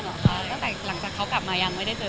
เจอน้ำตาลเหรอค่ะตั้งแต่หลังจากเขากลับมายังไม่ได้เจอ